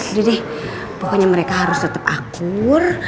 udah deh pokoknya mereka harus tetep akur